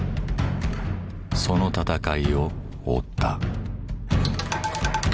その闘いを追った。